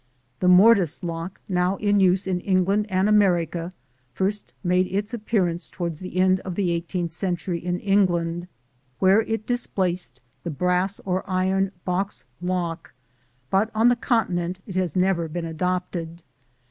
The mortise lock now in use in England and America first made its appearance toward the end of the eighteenth century in England, where it displaced the brass or iron box lock; but on the Continent it has never been adopted.